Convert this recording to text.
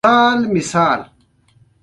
دا د سیسټین چیپل د چت د رنګولو په څیر و